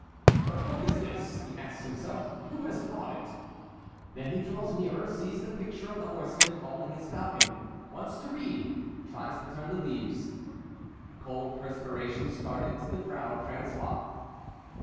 "'What book is this?' he asks himself. 'Who has brought it?' "Then he draws nearer, sees the picture of the horseman calling his falcon, wants to read, tries to turn the leaves." A cold perspiration started to the brow of François.